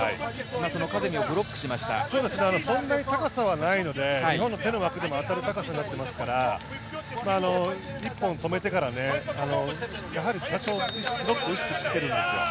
カゼミをそんなに高さはないので、一本の手の中でできる高さですから一本止めてから、やはりブロックを意識しているんですよ。